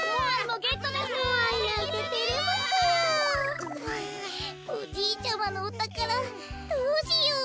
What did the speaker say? ううおじいちゃまのおたからどうしよう。